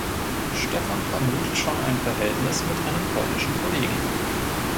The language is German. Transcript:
Stefan vermutet schon ein Verhältnis mit einem polnischen Kollegen.